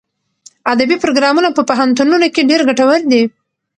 ادبي پروګرامونه په پوهنتونونو کې ډېر ګټور دي.